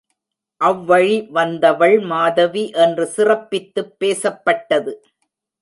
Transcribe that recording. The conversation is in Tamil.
அவ்வழி வந்தவள் மாதவி என்று சிறப்பித்துப் பேசப்பட்டது.